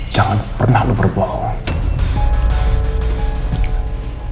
jangan pernah lo berbohong